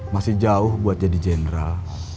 masih jauh buat jadi jenderal